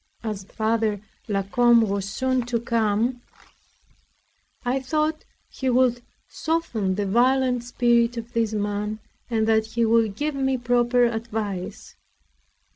As Father La Combe was soon to come, I thought he would soften the violent spirit of this man, and that he would give me proper advice.